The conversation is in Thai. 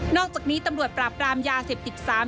อกจากนี้ตำรวจปราบปรามยาเสพติด๓